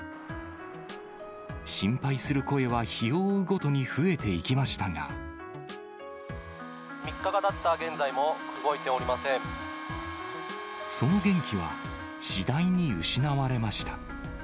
心配する声は日を追うごとに３日がたった現在も動いておその元気は次第に失われました。